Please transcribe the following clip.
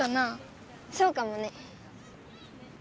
そうかもね。